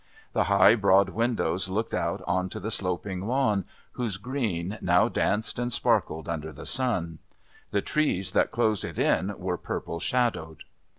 The high, broad windows looked out on to the sloping lawn whose green now danced and sparkled under the sun. The trees that closed it in were purple shadowed.